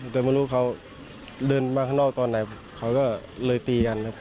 เดินมารู้เขาเดินข้างนอกตอนไหนเขาก็เลยตีกัน